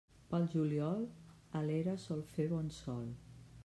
Pel juliol, a l'era sol fer bon sol.